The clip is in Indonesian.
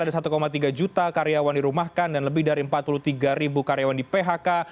ada satu tiga juta karyawan dirumahkan dan lebih dari empat puluh tiga ribu karyawan di phk